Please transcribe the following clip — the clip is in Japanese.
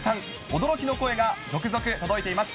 驚きの声が続々届いています。